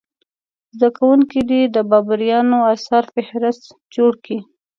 زده کوونکي دې د بابریانو اثارو فهرست جوړ کړي.